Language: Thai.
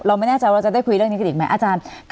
เราไม่น่าอยว่าจะได้คุยเรื่องนี้กันนิดมั้ยอาจารย์